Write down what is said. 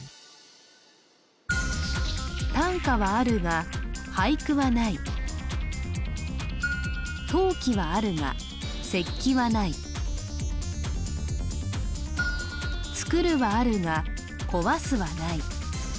短歌はあるが俳句はない陶器はあるが石器はない作るはあるが壊すはない